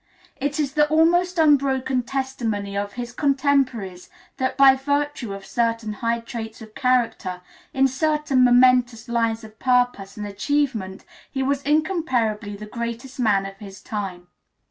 It is the almost unbroken testimony of his contemporaries that by virtue of certain high traits of character, in certain momentous lines of purpose and achievement, he was incomparably the greatest man of his time.